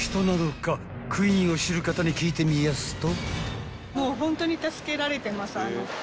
［クイーンを知る方に聞いてみやすと］